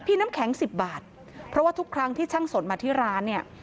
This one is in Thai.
น้ำแข็งสิบบาทเพราะว่าทุกครั้งที่ช่างสนมาที่ร้านเนี่ย